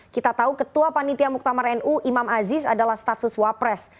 kita tahu ketua panitia muqtamar nu imam aziz adalah staffsus wapres